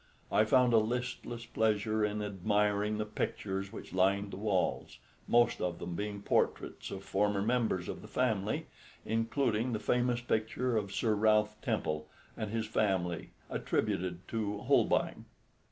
I found a listless pleasure in admiring the pictures which lined the walls, most of them being portraits of former members of the family, including the famous picture of Sir Ralph Temple and his family, attributed to Holbein.